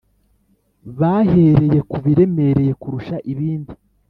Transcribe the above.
bahereye ku biremereye kurusha ibindi